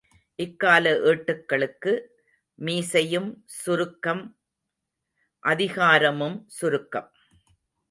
இக்கால ஏட்டுகளுக்கு மீசையும், சுருக்கம், அதிகாரமும் சுருக்கம்.